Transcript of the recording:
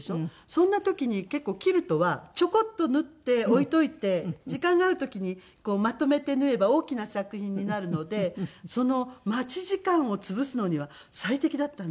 そんな時に結構キルトはちょこっと縫って置いておいて時間がある時にまとめて縫えば大きな作品になるのでその待ち時間を潰すのには最適だったんですよ。